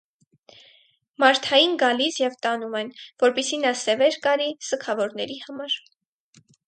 Մարթային գալիս և տանում են, որպեսզի նա սևեր կարի սգավորների համար։